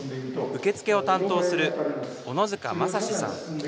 受付を担当する小野塚正司さん。